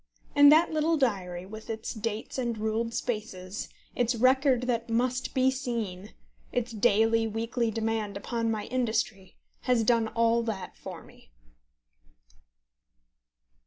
And that little diary, with its dates and ruled spaces, its record that must be seen, its daily, weekly demand upon my industry, has done all that for me.